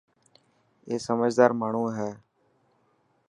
اي سمجهدار ماڻهو هي.